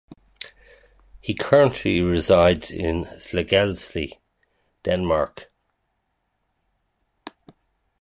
He currently resides in Slagelse, Denmark.